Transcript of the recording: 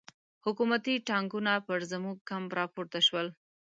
حکومتي ټانګونه پر زموږ کمپ را پورته شول.